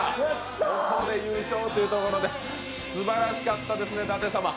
ここで優勝ということですばらしかったですね、舘様。